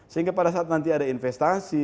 sehingga pada saat nanti ada investasi